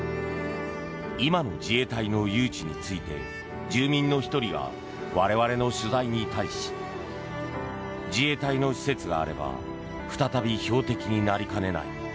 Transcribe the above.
今の自衛隊の誘致について住民の１人が我々の取材に対し自衛隊の施設があれば再び標的になりかねない。